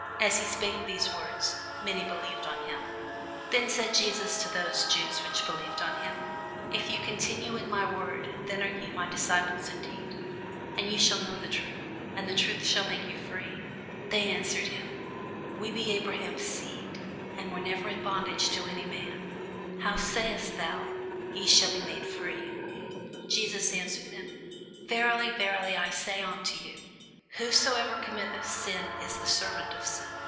As he spake these words, many believed on him. [Sidenote: St. John 8] Then said Jesus to those Jews which believed on him, If ye continue in my word, then are ye my disciples indeed; and ye shall know the truth, and the truth shall make you free. They answered him, We be Abraham's seed, and were never in bondage to any man: how sayest thou, Ye shall be made free? Jesus answered them, Verily, verily, I say unto you, Whosoever committeth sin is the servant of sin.